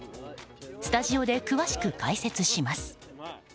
スタジオで詳しく解説します。